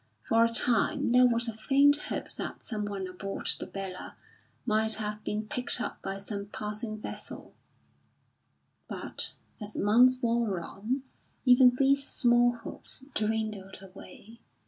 For a time, there was a faint hope that some one aboard the Bella might have been picked up by some passing vessel; but, as months wore on, even these small hopes dwindled away.